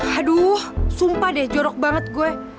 aduh sumpah deh jorok banget gue